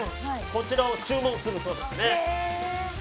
こちらを注文するそうですね。